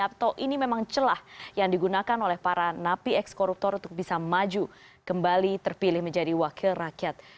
atau ini memang celah yang digunakan oleh para napi ekskoruptor untuk bisa maju kembali terpilih menjadi wakil rakyat